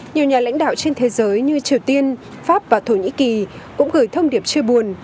nhiều nhà lãnh đạo trên thế giới như triều tiên pháp và thổ nhĩ kỳ cũng gửi thông điệp chưa buồn